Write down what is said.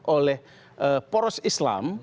oleh poros islam